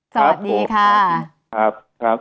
ครับครับสวัสดีครับ